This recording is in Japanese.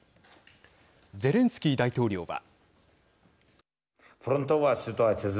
ゼレンスキー大統領は。